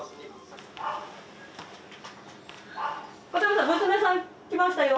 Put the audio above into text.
片山さん娘さん来ましたよ。